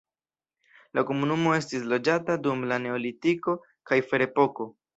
La komunumo estis loĝata dum la neolitiko kaj ferepoko.